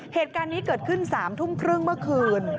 เหตุการณ์นี้เกิดขึ้น๓ทุ่มครึ่งเมื่อคืน